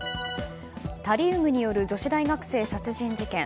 タリウムによる女子大学生殺人事件。